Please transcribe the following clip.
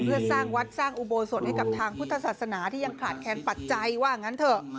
เพื่อสร้างวัดสร้างอุโบสถให้กับทางพุทธศาสนาที่ยังขาดแคนปัจจัยว่างั้นเถอะ